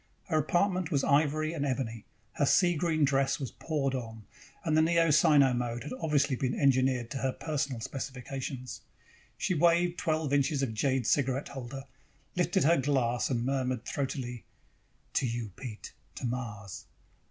Her apartment was ivory and ebony, her sea green dress was poured on, and the Neo Sino mode had obviously been engineered to her personal specifications. She waved twelve inches of jade cigarette holder, lifted her glass and murmured throatily: "To you, Pete. To Mars."